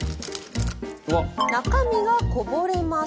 中身がこぼれます。